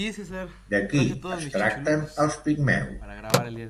De qui es tracten els Pigmeus?